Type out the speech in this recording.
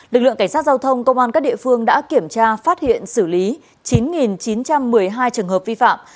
lực lượng cảnh sát giao thông công an các địa phương đã kiểm tra phát hiện xử lý chín chín trăm một mươi hai trường hợp vi phạm